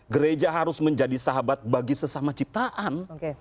gereja harus menjadi sahabat bagi sesama ciptaan